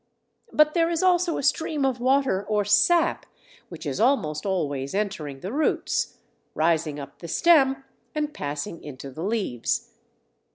But there is also a stream of water or sap which is almost always entering the roots, rising up the stem, and passing into the leaves.